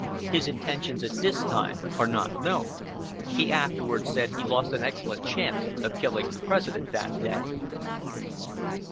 His intentions at this time are not known. He afterwards said he lost an excellent chance of killing the President that day.